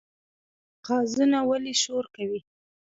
قازونه ولې شور کوي؟